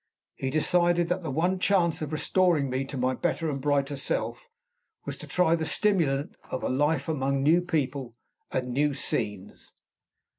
He decided that the one chance of restoring me to my better and brighter self was to try the stimulant of a life among new people and new scenes.